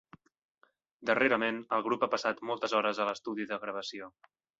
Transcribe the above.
Darrerament el grup ha passat moltes hores a l'estudi de gravació.